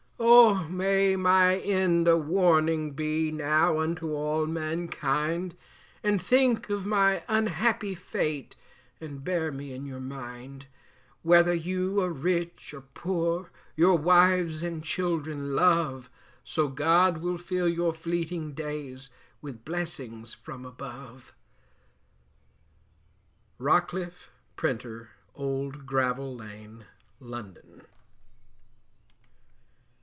Oh may my end a warning be now unto all mankind, And think of my unhappy fate and bear me in your mind; Whether you are rich or poor, your wives and children love, So God will fill your fleeting days with blessings from above. Rocliff, Printer, Old Gravel Lane, London.